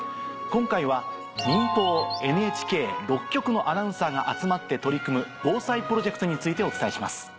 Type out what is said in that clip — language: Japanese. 今回は民放ＮＨＫ６局のアナウンサーが集まって取り組む防災プロジェクトについてお伝えします。